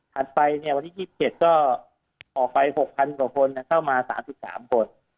ไปวันที่๒๗ก็ออกไป๖๐๐กว่าคนเข้ามา๓๓คน